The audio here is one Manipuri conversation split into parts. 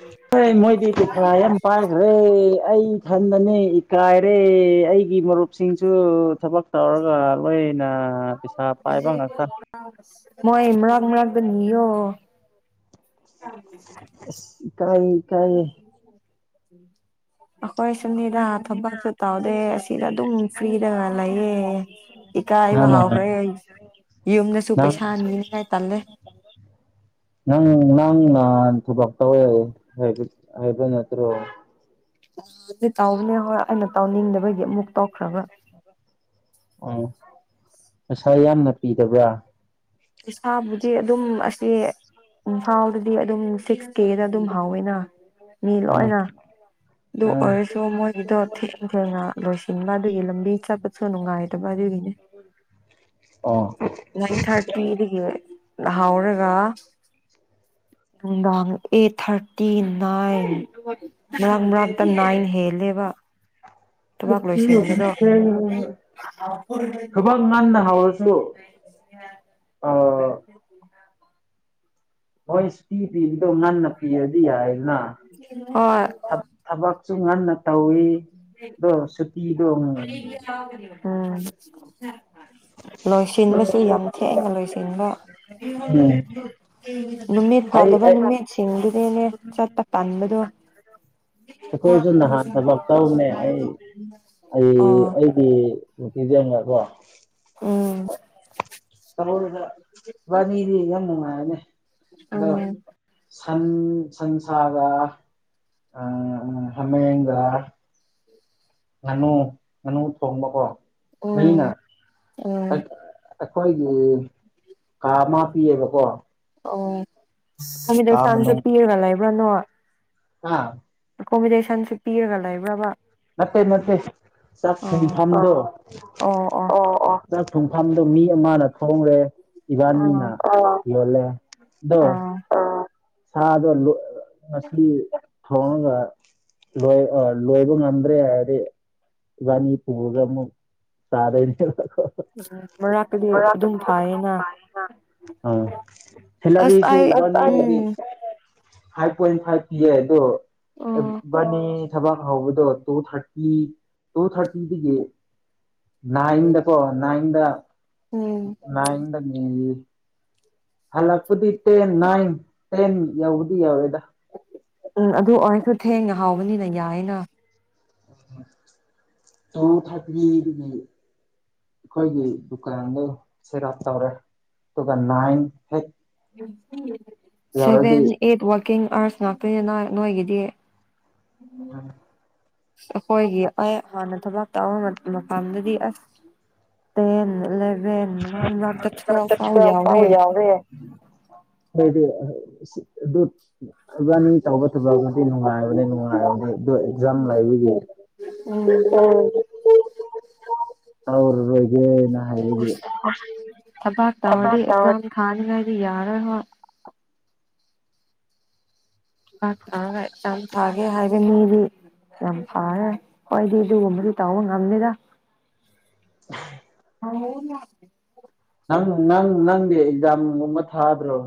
ꯎ ꯍ ꯃꯣꯏꯗꯤ ꯄꯩꯁꯥ ꯌꯥꯝ ꯄꯥꯏꯈ꯭ꯔꯦ ꯑꯩ ꯏꯊꯟꯗꯅꯦ ꯏꯀꯥꯏꯔꯦ ꯑꯩ ꯁꯤꯡꯁꯨ ꯊꯕꯛ ꯇꯧꯔꯒ ꯂꯣꯏꯅ ꯄꯩꯁꯥ ꯄꯥꯏꯕ ꯉꯥꯛꯇ ꯃꯣꯏ ꯏ ꯃꯔꯛ ꯃꯔꯛꯗ ꯅꯤꯡꯌꯣ ꯀꯥꯏ ꯀꯥꯏ ꯎꯝ ꯑꯩꯈꯣꯏ ꯁꯟꯅꯤꯗ ꯊꯕꯛꯁꯨ ꯇꯧꯗꯦ ꯑꯁꯤꯗ ꯑꯗꯨꯝ ꯐ꯭ꯔꯤꯗ ꯂꯩꯌꯦ ꯑꯩꯕ ꯅꯪꯅ ꯍꯧꯥꯎꯈ꯭ꯔꯦ ꯑꯩ ꯌꯨꯝꯗꯁꯨ ꯅꯪ ꯄꯩꯁꯥꯅꯤꯅꯤꯉꯥꯏ ꯇꯜꯂꯦ ꯅꯪ ꯅꯪꯪ ꯑ ꯊꯨ ꯐ ꯇꯕꯨ ꯍꯥꯏ ꯍꯥꯏꯕ ꯅꯠꯇ꯭ꯔꯣ ꯑꯗꯨꯗꯤ ꯇꯥꯎꯕꯅꯦ ꯍꯣꯏ ꯑꯩꯅ ꯇꯥꯎꯅꯤꯡꯗꯕꯒꯤ ꯑꯃꯨꯛ ꯇꯧꯈ꯭ꯔꯕ꯭ꯔꯥ ꯄꯁꯥ ꯌꯥꯝꯅ ꯄꯤꯗꯕ꯭ꯔꯥ ꯏꯁꯥꯕꯨꯗꯤ ꯑꯗꯨꯝ ꯑꯁꯤ ꯏꯝꯐꯥ ꯗꯤ ꯑꯗꯨꯝ ꯁꯤꯛꯁ ꯀꯦꯗ ꯑꯗꯨꯝ ꯍꯥꯎꯋꯦꯅ ꯃꯤ ꯑꯥ ꯂꯣꯏꯅ ꯑꯗꯨ ꯑꯥ ꯑꯣꯏꯔꯁꯨ ꯃꯣꯏꯒꯤꯗꯣ ꯊꯦꯡ ꯊꯦꯡꯅ ꯂꯣꯏꯁꯤꯟꯕ ꯑꯗꯨꯒꯤ ꯂꯝꯕꯤ ꯆꯠꯄꯁꯨ ꯅꯨꯡꯉꯥꯏꯇꯕ ꯅꯦ ꯑ ꯍꯥꯎꯔꯒ ꯉꯥꯡ ꯑꯦꯠ ꯊꯥꯔꯇꯤ ꯅꯥꯏꯟ ꯃꯔꯥꯡ ꯃꯔꯥꯡꯇ ꯅꯥꯏꯟ ꯍꯦꯜꯂꯦꯕ ꯊꯕꯥꯛ ꯂꯣꯏꯁꯤꯟꯕꯗꯣ [unintelligible] ꯈꯕ ꯉꯥꯟꯗ ꯍꯥꯋꯥꯔꯁꯨ [unintelligible] ꯍꯣꯏ ꯏꯁꯇꯤ ꯄꯤꯕꯗꯣ ꯉꯟꯅ ꯄꯤꯔꯗꯤ ꯌꯥꯏꯗꯅ ꯍꯣꯏ ꯊꯕꯛ ꯁꯨꯡ ꯉꯟꯅ ꯇꯧꯏ ꯑꯗꯣ ꯁꯨꯇꯤꯗꯣꯨ ꯎꯝ ꯂꯣꯏꯁꯤꯟꯕꯁꯨ ꯌꯥꯝ ꯊꯦꯡꯅ ꯂꯣꯏꯁꯤꯟꯕ ꯎꯝ ꯎ ꯅꯨꯃꯤꯠ ꯑꯩ ꯐꯥꯗꯕ ꯑꯩ ꯅꯨꯃꯤꯠꯁꯤꯡꯗꯨꯅꯦꯅꯦ ꯆꯠꯇꯄ ꯇꯗꯣ ꯑꯩꯈꯣꯏꯁꯨ ꯅꯍꯥꯟ ꯊꯕꯛ ꯇꯧꯅꯦ ꯑꯩ ꯑꯩ ꯑꯣ ꯑꯩꯒꯤ ꯎꯗꯉꯄꯥ ꯎꯝ ꯗ ꯋꯥꯅꯤꯗꯤ ꯌꯥꯝ ꯅꯨꯡꯉꯥꯏꯔꯅꯦ ꯑꯣꯝ ꯁꯟ ꯁꯟꯁꯥꯒ ꯍꯥꯃꯦꯡꯒ ꯉꯥꯅꯨ ꯉꯥꯅꯨ ꯊꯣꯡꯕꯀꯣ ꯎꯝ ꯃꯤꯅ ꯎꯝ ꯑꯩꯈꯣꯏꯒꯤ ꯀꯥ ꯑꯃ ꯄꯤꯌꯦꯕꯀꯣ ꯑꯣ ꯐꯃꯤꯗꯧꯁꯝꯁꯦ ꯄꯤꯔꯒ ꯂꯩꯕ꯭ꯔꯅꯣ ꯑꯥ ꯑꯦꯀꯣꯃꯤꯣꯗꯦꯁꯟꯁꯨ ꯄꯤꯔꯒ ꯂꯩꯕ꯭ꯔꯕ ꯅꯠꯇꯦ ꯅꯠꯇꯦ ꯑꯣ ꯆꯥꯛꯐꯝꯗꯣ ꯑꯣ ꯊꯨꯡꯐꯝꯗ ꯃꯤ ꯑꯃꯅ ꯊꯣꯡꯔꯦ ꯑꯥ ꯏꯕꯥꯅꯤꯅ ꯌꯣꯜꯂꯦ ꯑꯣ ꯑꯥ ꯁꯥꯗ ꯃꯁꯂꯤ ꯊꯣꯡꯉꯒ ꯂꯣꯏ ꯂꯣꯏꯕ ꯉ ꯭ꯔꯦ ꯍꯥꯏꯔꯦ ꯏꯅꯤ ꯄꯒꯝꯕ ꯁꯥꯗ ꯎꯝ ꯃꯔꯥꯛꯛꯇꯗꯤ ꯑꯗꯨꯝ ꯐꯌꯦꯅ ꯍꯂꯗꯤꯁꯨ ꯎꯝ ꯐꯥꯏꯚ ꯄꯣꯏꯟ ꯐꯥꯏꯚ ꯄꯤꯌꯦ ꯑꯗꯣ ꯑꯣ ꯕꯥꯅꯤ ꯊꯕꯛ ꯍꯧꯕꯗꯣ ꯇꯨ ꯊꯔꯇꯤ ꯇꯨ ꯊꯔꯇꯤꯗꯒꯤ ꯅꯥꯏꯟꯗꯀꯣ ꯅꯥꯏꯟꯗ ꯎꯝ ꯅꯥꯏꯟꯗ꯫ [unintelligible] ꯍꯜꯂꯛꯄꯗꯤ ꯇꯦꯟ ꯅꯥꯏꯟ ꯇꯦꯟ ꯌꯥꯎꯗꯤ ꯌꯥꯎꯋꯦꯗ꯫ ꯎꯝ ꯑꯗꯨ ꯑꯣꯏꯔꯁꯨ ꯊꯦꯡꯅ ꯍꯥꯎꯕꯅꯤꯅ ꯌꯥꯏꯌꯦꯅ꯫ [unintelligible] ꯑꯩꯈꯣꯏꯒꯤ ꯗꯨꯀꯥꯟꯗ ꯁꯦꯠ ꯑꯞ ꯇꯧꯔꯦ ꯑꯗꯨꯒ ꯅꯥꯏꯟ ꯍꯦꯛ ꯌꯧꯔꯗꯤ ꯁꯚꯦꯟ ꯑꯦꯠ ꯋꯥꯔꯀꯤꯡ ꯑꯥꯋꯥꯔꯁ ꯉꯥꯛꯇꯅꯦ ꯅ ꯅꯣꯏ ꯅꯣꯏꯒꯤꯗꯤ꯫ [unintelligible] ꯑꯩꯈꯣꯏꯒꯤ ꯑꯩ ꯍꯥꯟꯅ ꯊꯕꯥꯛ ꯇꯧꯕ ꯃꯄꯥꯟꯗꯗꯤ ꯑꯁ꫰꫰ ꯇꯦꯟ ꯏꯂꯦꯚꯦꯟ ꯃꯔꯛꯇ ꯇꯨꯌꯦꯜꯐ ꯐꯥꯎ ꯌꯥꯎꯔꯦ꯫ ꯑꯩꯗꯤ ꯑꯥ ꯑꯗꯨ ꯏꯕꯅꯤ ꯇꯧꯕ ꯊꯕꯛꯅꯗꯤ ꯅꯨꯡꯉꯥꯏꯕꯅꯦ ꯅꯨꯡꯉꯥꯏꯕꯗꯤ ꯑꯗꯨ ꯑꯦꯛꯖꯥꯝ ꯂꯩꯕꯒꯤ꯫ ꯎꯝ꯫ ꯇꯧꯔꯔꯣꯏꯒꯦ꯫ [unintelligible] ꯊꯕꯥꯥꯛ ꯇꯧꯔꯗꯤ ꯑꯦꯛꯖꯥꯝ ꯊꯥꯅꯤꯡꯒꯥꯏꯗꯤ ꯌꯥꯔꯣ ꯍꯣꯏ꯫ ꯄꯥꯁ ꯇꯧꯔꯒ ꯑꯦꯖꯥꯝ ꯊꯥꯒꯦ ꯍꯥꯏꯕꯅꯤ꯫ ꯗꯤ ꯌꯥꯝ ꯐꯔꯦ ꯍꯣꯏꯗꯤ ꯑꯗꯨꯒꯨꯝꯕꯗꯤ ꯇꯧꯕ ꯉꯝꯅꯤꯗ꯫ [unintelligible] [unintelligible] ꯅꯪ ꯅꯪ ꯅꯪꯗꯤ ꯑꯦꯛꯖꯥꯃꯒꯨꯝꯕ ꯊꯥꯗ꯭ꯔꯣ꯫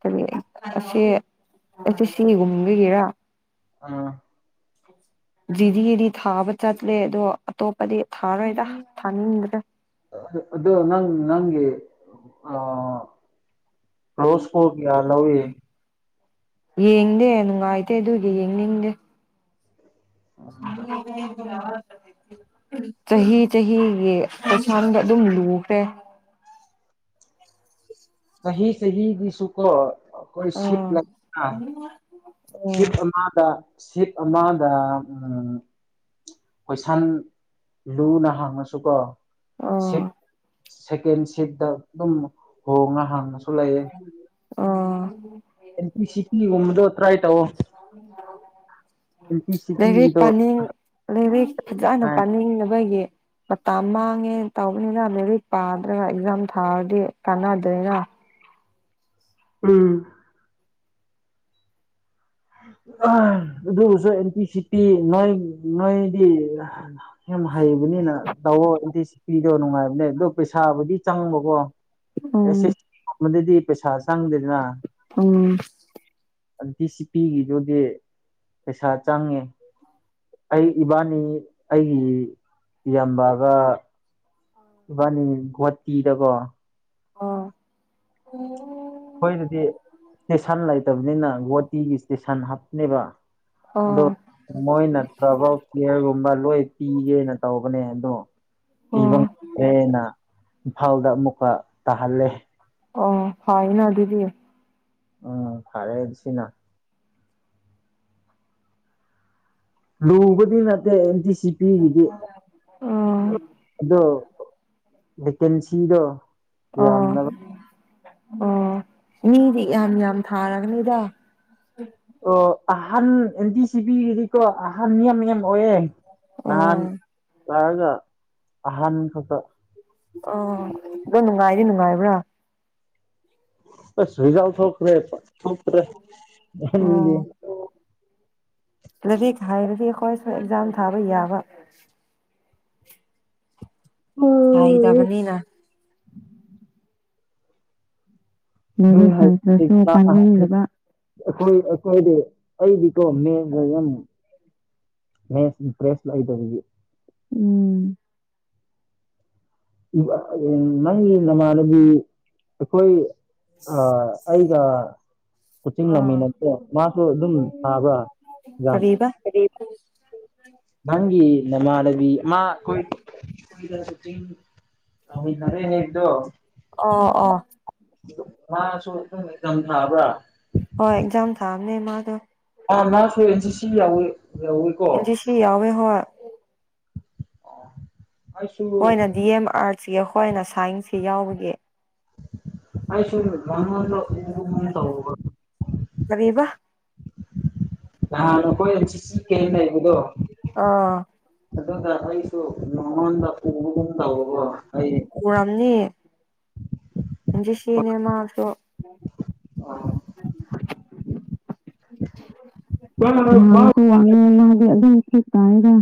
ꯀꯔꯤ ꯑꯁꯤ ꯑꯁꯤ ꯁꯤꯒꯨꯝꯕꯤꯒꯤꯔꯥ꯫ ꯑꯥ꯫ ꯖꯤꯗꯤ ꯗꯤ ꯊꯥꯕ ꯆꯠꯂꯦ ꯑꯗꯣ ꯑꯇꯣꯞꯄꯗꯤ ꯊꯥꯔꯣꯏꯗ ꯊꯥꯅꯤꯡꯗꯔꯦ꯫ ꯑꯗꯨ ꯑꯗꯨ ꯅꯪ ꯅꯪꯒꯤ ꯑ꯫ ꯔꯣꯁꯀꯣꯂꯒꯌꯥ ꯂꯧꯏ꯫ ꯌꯦꯡꯗꯦ ꯅꯨꯡꯉꯥꯏꯇꯦ ꯑꯗꯨꯒꯤ ꯌꯦꯡꯅꯤꯡꯗꯦ꯫ [unintelligible] ꯆꯍꯤ ꯆꯍꯤꯒꯤ ꯀꯩꯁꯥꯗ ꯑꯗꯨꯝ ꯂꯨꯈ꯭ꯔꯦ꯫ ꯆꯍꯤ ꯆꯍꯤꯒꯤꯁꯨꯀꯣ꯫ ꯑꯩꯈꯣꯏ ꯁꯤꯠ ꯑꯥ ꯑꯥ ꯁꯤꯠ ꯑꯃꯗ ꯁꯤꯞ ꯑꯃꯗ ꯎꯝ꯫ ꯀꯣꯏꯁꯟ ꯂꯨꯅ ꯍꯥꯡꯉꯁꯨꯀꯣ ꯁꯤꯠ ꯑꯥ ꯁꯦꯀꯦꯟ ꯁꯤꯠꯇ ꯑꯗꯨꯝ ꯍꯣꯡꯉ ꯍꯥꯡꯉꯁꯨ ꯂꯩꯌꯦ꯫ ꯑꯥ꯫ ꯑꯦꯝ ꯇꯤ ꯁꯤꯇꯤ ꯒꯨꯝꯅꯗꯣ ꯇ꯭ꯔꯥꯏ ꯇꯧꯑꯣ꯫ ꯑꯦꯟ ꯄꯤ ꯁꯤ ꯂꯥꯏꯔꯤꯛ ꯇꯤꯒꯤꯗꯣ ꯄꯥꯅꯤꯡ ꯂꯥꯏꯔꯤꯛ ꯐꯖꯅ ꯄꯥꯅꯤꯡꯅꯕꯒꯤ꯫ ꯃꯇꯝ ꯃꯥꯡꯉꯦ ꯇꯧꯕꯅꯤꯅ ꯂꯦꯔꯤꯛ ꯄꯥꯗ꯭ꯔꯒ ꯑꯦꯛꯖꯥꯝ ꯊꯥꯔꯗꯤ ꯀꯥꯟꯅꯗꯣꯏꯔ꯫ ꯎꯝ꯫ ꯑꯗꯨꯕꯨꯁꯨ ꯑꯦꯟꯇꯤ ꯁꯤ ꯄꯤ ꯅꯣꯏ ꯅꯣꯏꯗꯤ ꯍꯩꯕꯅꯤꯅ ꯇꯧꯑꯣ ꯑꯦꯟꯇꯤ ꯁꯤ ꯄꯤꯗꯣ ꯅꯨꯡꯉꯥꯏꯕꯅꯦ ꯑꯗꯣ ꯄꯩꯁꯥꯕꯨꯗꯤ ꯆꯪꯕꯀꯣ꯫ ꯑꯣ꯫ ꯃꯗꯨꯗꯤ ꯄꯩꯁꯥ ꯆꯪꯗꯦꯗꯅ꯫ ꯎꯝ ꯄꯤꯒꯤꯗꯨꯗꯤ ꯄꯩꯁꯥ ꯆꯪꯉꯦ꯫ ꯑꯩ ꯏꯕꯥꯅꯤ ꯑꯩꯒꯤ ꯏꯌꯥꯝꯕꯒ ꯏꯕꯥꯅꯤ ꯒꯨꯍꯥꯇꯤꯗꯀꯣ꯫ ꯑꯥ꯫ ꯑꯩꯈꯣꯏꯗꯨꯗꯤ ꯏꯁꯇꯦꯁꯟ ꯂꯩꯇꯕꯅꯤꯅ ꯒꯨꯍꯥꯇꯤ ꯏꯁꯇꯦꯁꯟ ꯍꯥꯞꯄꯅꯦꯕ꯫ ꯑꯣ ꯃꯣꯏ ꯅꯠꯇ꯭ꯔꯕ ꯀꯤꯌꯔꯒꯨꯝꯕ ꯂꯣꯏ ꯄꯤꯒꯦꯅ ꯇꯧꯕ ꯇꯧꯕꯅꯦ ꯑꯗꯣ ꯑꯣ ꯄꯤꯕ ꯉꯝꯗꯦꯅ꯫ ꯏꯝꯐꯥꯜꯗ ꯑꯃꯨꯛꯀ ꯇꯥꯍꯜꯂꯦ ꯑ ꯐꯅꯗꯗꯤ ꯎꯝ ꯐꯔꯦꯁꯤꯅ ꯂꯨꯕꯗꯤ ꯅꯠꯇ ꯏꯇ ꯁꯤꯤꯄꯤꯤꯒꯤꯗꯤ ꯑꯣ ꯑꯗꯣ ꯦꯀꯦꯟꯁꯤꯗꯣ ꯑ ꯑꯣ ꯃꯤꯗꯤ ꯌꯥꯝ ꯌꯥꯝ ꯊꯥꯔꯒꯅꯤꯗ ꯑꯣ ꯑꯍꯥꯟ ꯑꯦꯟꯗꯤ ꯁꯤꯕꯤ ꯍꯥꯏꯗꯤꯀꯣ ꯑꯍꯥꯟꯌꯝ ꯌꯥꯝ ꯑꯣꯏꯌꯦꯦ ꯅꯍꯥꯟ ꯑꯣ ꯆꯥꯔꯒ ꯑꯍꯟ ꯈꯛꯇ ꯑ ꯑꯗꯨ ꯅꯨꯡꯉꯥꯏꯗꯤ ꯅꯨꯡꯉꯥꯏꯕ꯭ꯔꯥ ꯑꯖꯥꯎ ꯊꯈ꯭ꯔꯦ ꯊ꯭ꯔꯦ ꯔꯗꯤ ꯍꯥꯏꯔꯗꯤ ꯑꯩꯈꯣꯏ ꯁ ꯑꯦꯛꯖꯥꯝ ꯊꯥꯕ ꯌꯥꯕ ꯍ ꯅꯣꯏ ꯏꯗꯕꯅꯤꯅ ꯣꯏ ꯍꯩꯇ꯭ꯔꯁꯨ ꯄꯥꯅꯤꯡꯗꯕ ꯑꯩꯈꯣꯏ ꯑꯩꯈꯣꯏꯗꯤ ꯑꯩꯗꯤꯀꯣ ꯃ ꯃ ꯐ꯭ꯔꯦꯁ ꯂ ꯇ ꯎꯝ ꯅꯪꯒꯤ ꯅꯃꯥꯟꯅꯕꯤ ꯑꯩꯈꯣꯏ ꯑꯩ ꯑ ꯀꯆꯤꯡ ꯑꯥ ꯅꯃꯤꯟꯅꯠꯇꯦ ꯃꯥꯁꯨ ꯑꯗꯨꯝ ꯁꯥꯕ ꯌꯥꯝ ꯀꯔꯤꯕ ꯅꯪꯤ ꯅꯃꯥ ꯔꯕꯤꯣꯏ ꯅꯔꯦꯅꯤꯗꯣ ꯑ ꯑꯥ ꯝ ꯃꯥꯁꯨ ꯑꯗꯨꯝ ꯏꯊꯝ ꯊꯥꯕ꯭ꯔꯥ ꯍ ꯑꯦꯛꯖꯥꯝ ꯊꯥꯑꯕꯃꯦ ꯃꯥꯗ ꯑꯥ ꯅꯁꯨ ꯑꯦꯟ ꯁꯤ ꯁꯤ ꯌꯥꯎꯋꯦ ꯑꯦꯖꯤ ꯁꯤ ꯑ ꯍ ꯑ ꯍꯣꯏꯅ ꯗꯤ ꯑꯦꯝ ꯑꯥꯔꯠꯁꯀꯤ ꯑꯩꯈꯣꯏꯅ ꯁꯥꯏꯟꯁꯁꯤ ꯌꯥꯎꯕꯒꯤ ꯑꯩꯥꯏ ꯁ ꯗ ꯏ ꯃ ꯇ ꯀꯔꯤꯕ ꯑ ꯅꯈꯣꯏ ꯆ ꯆ ꯀ ꯑꯩꯕꯗꯣ ꯑꯥ ꯑꯗꯨꯗꯔ ꯍꯥꯏꯁꯨ ꯂꯉꯟꯗꯄ ꯄꯨꯔꯝꯅꯤ ꯁꯤꯅꯦ ꯃꯥꯁꯨ ꯑꯥ [unintelligible] ꯁꯨ ꯋꯥ ꯍꯥꯏꯦ ꯑꯗꯨ ꯁꯤ ꯇꯗ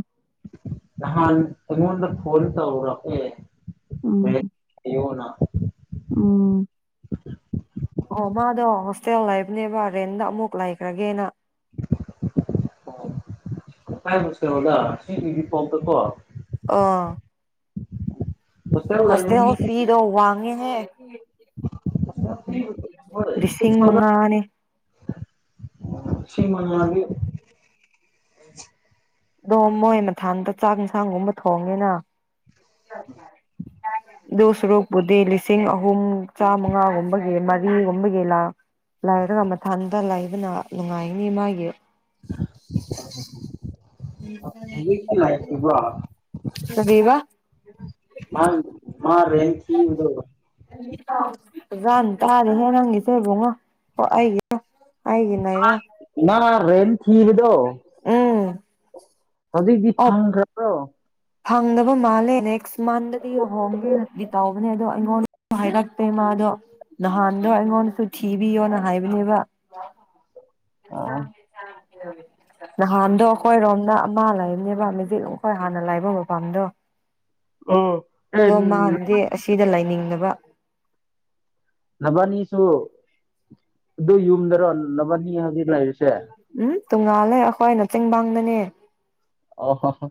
ꯅꯍꯥꯟ ꯑꯩꯉꯣꯟꯗ ꯐꯣꯟ ꯇꯧꯔꯣ ꯎꯝ ꯑꯦꯌꯣꯅ ꯎꯝ ꯑꯣ ꯃꯥꯗꯣ ꯍꯣꯁꯇꯦꯜ ꯍꯥꯏꯕꯅꯦꯕ ꯔꯦꯟꯗ ꯑꯃꯨꯛ ꯂꯩꯈ꯭ꯔꯒꯦꯅ ꯑꯣ ꯍꯥꯏꯕꯨꯨꯁꯔꯣꯗ ꯁꯤꯒꯤꯗꯤ ꯄꯣꯝꯇꯀꯣ ꯑꯥ ꯍꯣꯁꯇꯦꯜ ꯍꯁꯇ ꯂꯩꯕ ꯍ ꯐꯤꯗꯣ ꯋꯥꯥꯡꯉꯦ ꯍ ꯃꯤ ꯍꯣꯏ ꯂꯤꯁꯤꯡ ꯃꯉꯥꯅꯦ ꯁꯤꯤꯡꯃ ꯌꯥꯒꯤ ꯑꯣ ꯃꯣꯏ ꯃꯊꯥꯡꯇ ꯆꯥꯛ ꯏꯟꯁꯥꯡꯒꯨꯝꯕ ꯊꯣꯡꯉꯦꯅ [unintelligible] [inaudible] ꯑꯗꯨ ꯁꯔꯨꯛꯄꯨꯗꯤ ꯂꯤꯁꯤꯡ ꯑꯍꯨꯝ ꯆꯥꯃꯉꯥꯒꯨꯝꯕꯒꯤ ꯃꯔꯤꯒꯨꯝꯕꯒꯤ ꯂꯥꯛ ꯂꯩꯥꯏꯔꯒ ꯃꯊꯟꯇ ꯂꯩꯕꯅ ꯅꯨꯡꯉꯥꯏꯅꯤ ꯃꯥꯒꯤ ꯍꯧꯖꯤꯛꯇꯤ ꯂꯩꯇ꯭ꯔꯤꯕ꯭ꯔꯣ ꯕꯤꯕꯥ ꯃꯥ ꯃꯥ ꯔꯦ ꯊꯤꯗ ꯔ ꯇꯗ ꯍꯥꯏ ꯅꯪꯒꯤ ꯁꯕꯉ ꯑꯣ ꯑꯩꯒ ꯑꯒꯔ ꯔꯦꯜ ꯊꯒꯗꯣ [unintelligible] ꯁꯖꯤ ꯑꯣ ꯁꯪꯁꯥꯗ ꯐꯪꯗꯕ ꯃꯥꯜꯂꯦ ꯅꯦꯛꯁ ꯃꯟꯗꯗꯤ ꯍꯣꯡꯒꯦꯅꯗꯤ ꯇꯧꯕꯅꯦ ꯑꯗꯣ ꯑꯩꯉꯣꯟꯗ ꯍꯥꯏꯔꯛꯇꯦ ꯃꯥꯗꯣ ꯅꯍꯥꯟꯗꯣ ꯑꯩꯉꯣꯟꯗꯁꯨ ꯊꯤꯕꯤꯌꯣꯅ ꯍꯥꯏꯕꯅꯦꯕ [unintelligible] ꯥꯡ ꯑꯣ ꯊꯥꯡ ꯅꯍꯥꯟꯗꯣ ꯑꯩꯈꯣꯏꯔꯣꯝꯅ ꯑꯃ ꯂꯩꯕꯅꯦꯕ ꯃꯦꯖꯤꯛ ꯑꯩꯈꯣꯏ ꯍꯥꯟꯅ ꯂꯥꯏꯕ ꯃꯄꯥꯝꯗꯣ ꯎꯝ ꯑꯦ ꯑꯣ ꯃꯥꯟꯗꯦ ꯑꯁꯤꯗ ꯂꯩꯥꯏꯅꯤꯡꯅꯕ ꯅꯕꯥꯅꯤꯁꯨ ꯑꯗꯨ ꯌꯨꯝꯗꯔꯣ ꯅꯕꯥꯅꯤ ꯍꯧꯖꯤꯛ ꯂꯩꯔꯤꯁꯦ ꯎꯝ ꯇꯣꯡꯉꯥꯜꯂꯦ ꯑꯩꯈꯣꯏꯅ ꯆꯤꯡꯕꯥꯡꯗꯅꯦ ꯑ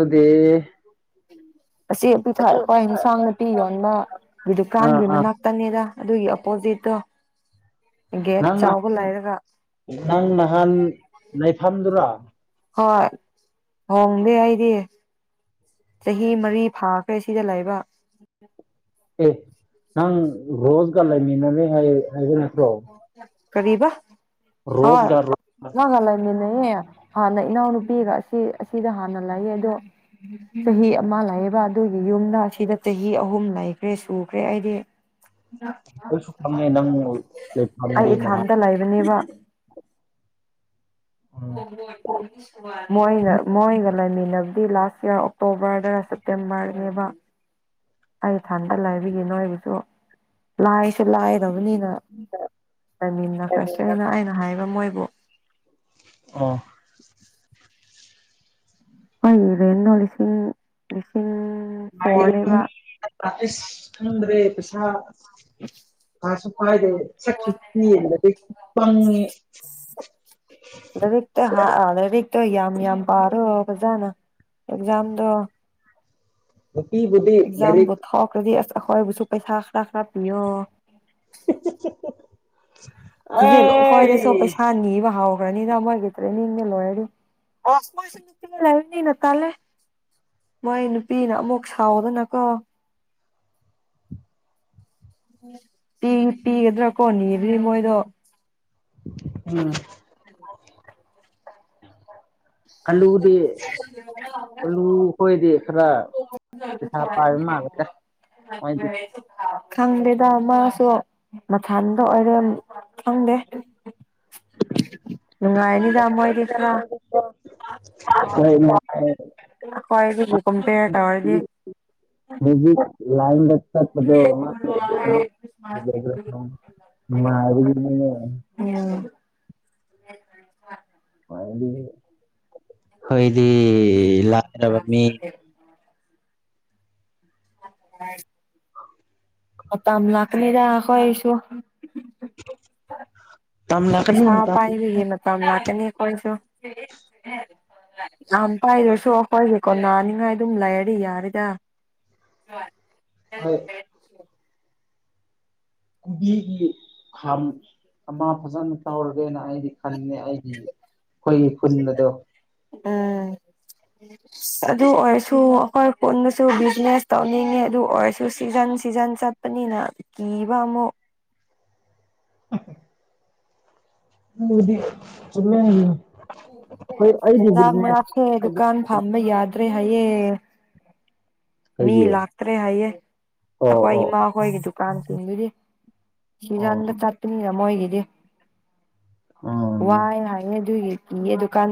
ꯑꯗ ꯑꯦ ꯄꯤꯊꯣꯛꯑꯦ ꯑꯩꯈꯣꯏ ꯏꯟꯁꯥꯡ ꯅꯥꯄꯤ ꯌꯣꯟꯕ ꯑꯥ ꯗꯨꯀꯥꯟꯒꯤ ꯑꯥ ꯃꯅꯥꯛꯇꯅꯤꯗ ꯑꯗꯨꯒꯤ ꯑꯣꯄꯣꯖꯤꯠꯇꯣ ꯒꯦꯠ ꯅꯪ ꯆꯥꯎꯕ ꯅꯍꯥꯟ ꯂꯩꯔꯒ ꯅꯪ ꯅꯍꯥꯟ ꯂꯩꯐꯝꯗꯨꯔꯥ ꯍꯣꯏ ꯍꯣꯡꯗꯦ ꯑꯩꯗꯤ ꯆꯍꯤ ꯃꯔꯤ ꯐꯥꯈ꯭ꯔꯦ ꯁꯤꯗ ꯂꯩꯕ ꯑꯪ ꯔꯣꯖ ꯀ ꯂꯩ ꯃꯤꯅꯅꯦ ꯍꯥꯏ ꯍꯥꯏꯒ ꯐ꯭ꯔꯣ ꯀꯔꯤꯕ ꯍ ꯔꯣ ꯅꯪꯒ ꯂꯩꯢ ꯍꯥꯟꯅ ꯏꯅꯥꯎꯅꯨꯄꯤꯒ ꯑꯁꯤ ꯑꯁꯤꯗ ꯍꯥꯟꯅ ꯂꯩꯌꯦ ꯑꯗꯣ ꯆꯍꯤ ꯑꯃ ꯂꯩꯥꯛꯑꯕ ꯑꯗꯨꯒꯤ ꯌꯨꯝꯗ ꯁꯤꯗ ꯆꯍꯤ ꯑꯍꯨꯝ ꯂꯩꯈ꯭ꯔꯦ ꯁꯨꯈ꯭ꯔꯦ ꯑꯩꯗꯤ ꯑꯩꯁꯨ ꯈꯉꯦ ꯅꯪ ꯑꯩ ꯂꯩ ꯅꯍ ꯏꯊꯟꯇ ꯂꯩꯕꯅꯦꯕ ꯃꯣꯏꯅ ꯃꯣꯒ ꯂꯩꯃꯤꯟꯅꯕꯗꯤ ꯂꯥꯁ ꯏꯔ ꯑꯣꯛꯇꯣꯕꯔꯗ ꯁꯦꯞꯇꯦꯝꯕꯔꯅꯦꯕ ꯑꯩ ꯊꯟꯗ ꯂꯥꯏꯕꯤꯒꯤꯦ ꯅꯣꯏꯒꯤꯁꯨ ꯂꯥꯏ ꯁꯤ ꯂꯥꯏꯗꯕꯅꯤꯅ ꯇꯥꯏꯃꯤꯟꯅ ꯀꯁꯅ ꯑꯩꯅ ꯍꯥꯏꯕ ꯃꯣꯏꯕꯨ ꯑꯣ ꯍꯣꯏ ꯏꯕꯅꯣ ꯎꯂꯤꯁꯤꯟ ꯎꯁꯤꯟ ꯁ꯭ꯔꯦ ꯄꯁ ꯎ ꯀꯁꯨ ꯀꯥꯏꯗꯦ ꯁꯛꯁꯨ ꯀꯤꯕꯗ ꯀꯩ ꯐꯪꯉꯦ ꯛꯇ ꯍꯥ ꯣ ꯌꯥꯝ ꯌꯥꯝ ꯄꯥꯔꯣ ꯐꯖꯥꯅ ꯑꯦꯛꯖꯥꯝꯗꯣ ꯅꯨꯄꯤꯕꯨꯗꯤ ꯑꯦꯛꯖꯥ ꯂꯥꯏꯔꯤꯛ ꯊꯣꯛꯍ ꯑꯗꯨ ꯍꯕꯨ ꯄꯩꯁꯥ ꯈꯔ ꯈꯔ ꯄꯌ [unintelligible] ꯖꯂꯣ ꯍꯣꯏꯗꯁꯨ ꯑꯩ ꯄꯩꯁꯥꯅꯤ ꯋꯥꯍ ꯭ꯔꯅꯤꯗꯝꯕ ꯑꯣꯏꯒꯦꯗ꯭ꯔꯦ ꯃ ꯂꯣ ꯍꯥꯏꯅꯤꯅ ꯇꯂꯦ ꯃꯣꯏ ꯅꯨꯄꯤꯅ ꯑꯃꯨꯛ ꯁꯥꯎꯗꯅꯀꯣ ꯄꯤꯒꯗ꯭ꯔꯥ ꯀꯣ ꯅꯤ ꯑꯗꯨꯗꯤ ꯃꯣꯏꯗꯣ ꯎꯝ ꯀ [unintelligible] [unintelligible] ꯍꯦ ꯑꯂꯨ ꯈꯣꯏꯗꯤ ꯈꯔ ꯆ ꯄꯩꯁꯥ ꯄꯥꯏꯕ ꯃꯥꯜꯂꯦꯗ ꯃꯣꯏꯗꯤ ꯊꯥꯎ ꯈꯪꯗꯦꯗ ꯃꯥꯁꯨ ꯃꯊꯟꯗ ꯑꯣꯏꯔꯦ ꯈꯪꯗꯦ [unintelligible] ꯅꯨꯡꯉꯥꯏꯅꯤꯗ ꯥꯏꯔꯤ ꯃꯣꯏꯗꯤ ꯈꯔ ꯌꯥꯝꯃꯗꯤ ꯏꯣ ꯍ ꯑꯩꯈꯣꯏꯗꯒꯤ ꯀꯝꯄꯦꯌꯔ ꯇꯧꯔꯗꯤ ꯃ ꯎꯝ ꯗ [unintelligible] ꯎꯝ [inaudible] ꯗꯤ ꯑꯩꯏꯗꯤ ꯂꯥꯏꯔꯕ ꯃꯤ ꯑ ꯑ ꯇꯝ ꯂꯀꯅꯤꯗꯈꯣꯏꯁꯨ ꯇꯝꯂꯛꯀꯅꯤ ꯄꯩꯁꯥ ꯍꯣꯏ ꯄꯥꯏꯔꯤꯌꯦ ꯃꯇꯝ ꯃꯇꯝ ꯂꯥꯛꯀꯅꯤ ꯀꯣꯏꯁꯨ ꯌꯥꯝ ꯄꯥꯏꯗ꯭ꯔꯁꯨ ꯑꯩꯈꯣꯏꯁꯦꯀꯣ ꯅꯥꯅꯤꯡꯉꯥꯏ ꯑꯗꯨꯝ ꯂꯩꯔꯔꯤ ꯌꯥꯔꯤꯗ ꯍ ꯀꯨꯗꯤ ꯀꯌꯦ ꯑꯃ ꯐꯖꯅ ꯇꯧꯔꯒꯦꯅ ꯑꯩꯗꯤ ꯈꯟꯦ ꯑꯩꯗꯤ ꯑꯩꯈꯣꯏ ꯈꯨꯟ ꯑꯗꯣ ꯎꯝ ꯑꯗꯨ ꯑꯣꯏꯔꯁꯨ ꯑꯩꯈꯣꯏ ꯄꯨꯟꯗꯁꯨ ꯕꯤꯖꯤꯅꯦꯁ ꯇꯧꯅꯤꯡꯉꯦ ꯑꯗꯨ ꯑꯣꯏꯔꯁꯨ ꯁꯤꯖꯟ ꯁꯤꯖꯟ ꯆꯠꯄꯅꯤꯅ ꯀꯤꯕ ꯑꯃꯨꯛ [inaudible] ꯃꯗꯤ ꯆ ꯍꯥꯏ ꯥꯛ ꯃꯅꯥꯛꯁꯦ ꯗꯨꯀꯥꯟ ꯐꯝꯕ ꯌꯥꯗ꯭ꯔꯦ ꯍꯥꯏꯌꯦꯦ ꯃꯤ ꯑꯩꯒꯤ ꯂꯥꯛꯇ꯭ꯔꯦ ꯍꯥꯏꯌꯦꯦ ꯑꯣ ꯑꯩꯈꯣꯏ ꯑꯣ ꯏꯃꯥ ꯍꯣꯏꯒꯤ ꯗꯨꯀꯥꯟ ꯆꯗꯨꯗꯤ ꯑꯣ ꯁꯤꯖꯥꯟꯗ ꯆꯇꯅꯤꯔꯃ ꯑꯣꯏꯒꯗꯤ ꯎꯝ ꯋꯥꯏ ꯍꯥꯏꯅꯦ ꯑꯗꯨ ꯏ ꯗꯨꯀꯥꯟ